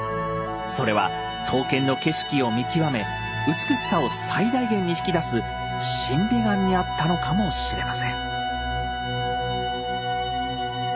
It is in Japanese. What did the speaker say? それは刀剣の景色を見極め美しさを最大限に引き出す審美眼にあったのかもしれません。